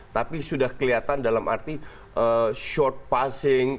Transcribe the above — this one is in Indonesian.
tapi sudah kelihatan dalam arti short passing